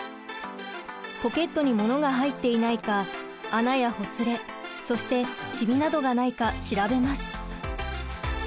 ポケットに物が入っていないか穴やほつれそして染みなどがないか調べます。